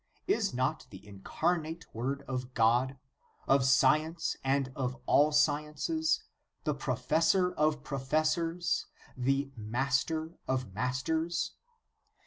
Is not the Incarnate Word the God of science and of all sciences, the Professor of professors, the Master of masters